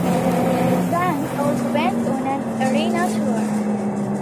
The bands also went on an arena tour.